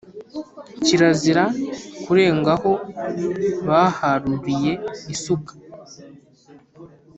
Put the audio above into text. Kirazira kurenga aho baharuriye isuka,